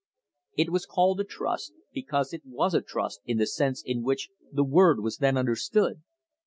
It was called a trust, because it was a trust in the sense in which the word was then understood.